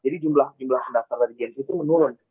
jadi jumlah jumlah pendaftar dari gensi itu menurun